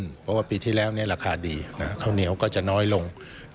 เพราะว่าปีที่แล้วราคาดีข้าวเหนียวก็จะน้อยลง